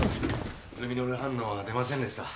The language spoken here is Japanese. ルミノール反応は出ませんでした。